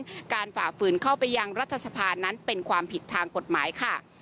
การฝ่าฝืนเข้าไปยังรัฐสภานั้นเป็นความผิดทางกฎหมายค่ะ